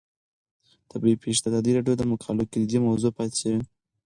طبیعي پېښې د ازادي راډیو د مقالو کلیدي موضوع پاتې شوی.